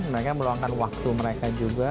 mereka meluangkan waktu mereka juga